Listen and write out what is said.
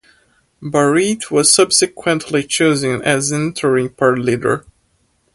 Barrett was subsequently chosen as interim party leader.